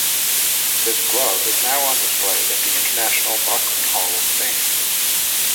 This glove is now on display at the International Boxing Hall of Fame.